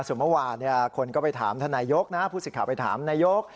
ส่วนเมื่อวานคนก็ไปถามท่านนายกนะผู้สิทธิ์ไปถามนายก